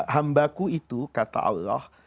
hambaku itu kata allah